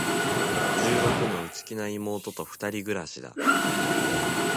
十六の、内気な妹と二人暮しだ。